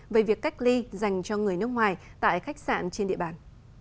về việc cách ly dành cho người nước ngoài tại khách sạn trên địa bàn